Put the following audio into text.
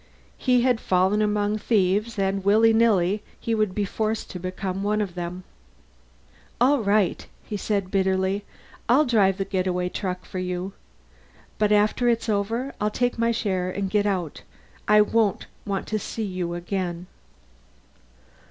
He had fallen among thieves and, willy nilly, he would be forced to become one himself. "All right," he said bitterly. "I'll drive the getaway truck for you. But after it's over, I'll take my share and get out. I won't want to see you again."